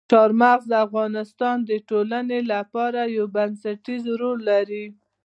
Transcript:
چار مغز د افغانستان د ټولنې لپاره یو بنسټيز رول لري.